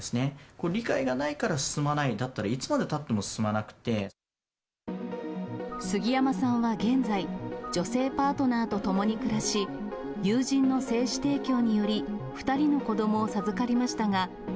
この理解がないから進まない、だったらいつまでたっても進まな杉山さんは現在、女性パートナーと共に暮らし、友人の精子提供により、２人の子どもを授かりましたが。